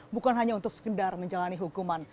bukan hanya untuk sekedar menjalani hukuman